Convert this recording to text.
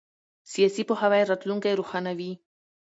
سیاسي پوهاوی راتلونکی روښانوي